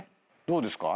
どうですか？